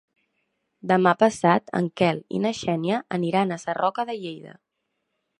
Demà passat en Quel i na Xènia aniran a Sarroca de Lleida.